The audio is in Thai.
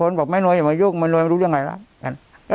พี่เต๋าไหนโน้ยจะมายุ่งก็ไม่รู้อะไรล่ะ